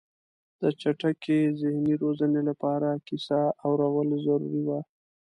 د چټکې ذهني روزنې لپاره کیسه اورول ضروري وه.